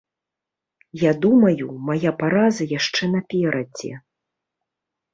Я думаю, мая параза яшчэ наперадзе.